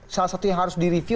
salah satu yang harus direvie